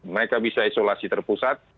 mereka bisa isolasi terpusat